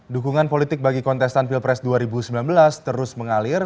dukungan politik bagi kontestan pilpres dua ribu sembilan belas terus mengalir